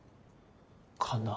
かな？